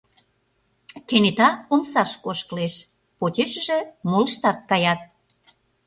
Кенета омсашке ошкылеш, почешыже молыштат каят.